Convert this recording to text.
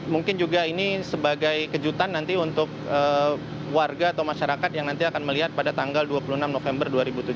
mungkin juga ini sebagai kejutan nanti untuk warga atau masyarakat yang nanti akan melihat pada tanggal dua puluh enam november dua ribu tujuh belas